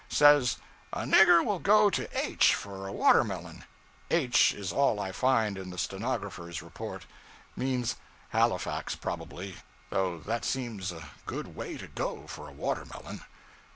Says 'a nigger will go to H for a watermelon' ['H' is all I find in the stenographer's report means Halifax probably, though that seems a good way to go for a watermelon).